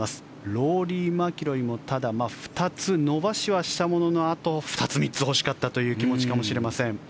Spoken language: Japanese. ローリー・マキロイもただ、２つ伸ばしはしたもののあと２つ、３つ欲しかったという気持ちかもしれません。